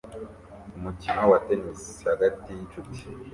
Umukino wa Tennis hagati yinshuti